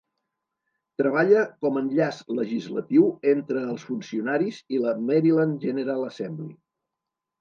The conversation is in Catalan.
Treballa com enllaç legislatiu entre els funcionaris i la Maryland General Assembly.